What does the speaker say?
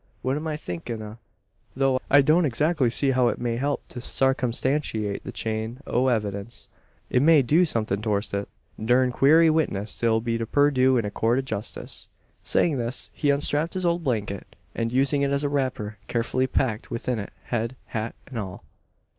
What am I thinkin' o'? Tho' I don't exackly see how it may help to sarcumstantiate the chain o' evvydince, it may do somethin' torst it. Durned queery witness it 'll be to purduce in a coort o' justis!" Saying this, he unstrapped his old blanket; and, using it as a wrapper, carefully packed within it head, hat, and all.